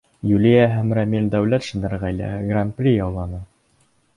Юлиә һәм Рәмил Дәүләтшиндар ғаиләһе Гран-при яуланы.